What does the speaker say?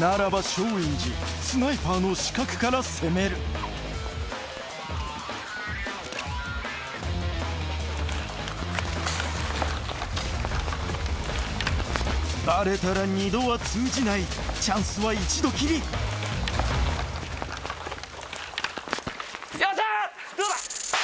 ならば松陰寺スナイパーの死角から攻めるバレたら２度は通じないチャンスは１度きりよっしゃ！